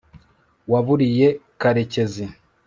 waburiye karekezi